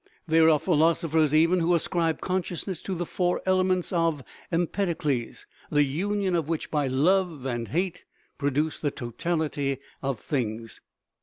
There are philosophers, even, who ascribe conscious ness to the four elements of Empedocles, the union of which, by "love and hate," produces the totality of things.